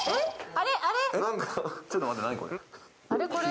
あれ？